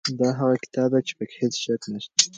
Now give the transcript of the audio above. دا هغه کتاب دی چې په کې هیڅ شک نشته.